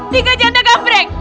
tiga janda gamprek